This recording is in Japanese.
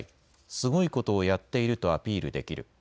すごいことをやっているとアピールできる。